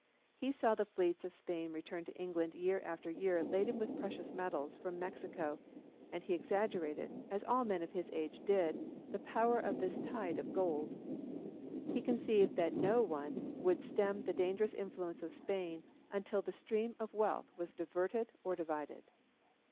He saw the fleets of Spain return to Europe year after year laden with precious metals from Mexico, and he exaggerated, as all men of his age did, the power of this tide of gold. He conceived that no one would stem the dangerous influence of Spain until the stream of wealth was diverted or divided.